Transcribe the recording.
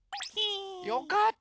よかったね！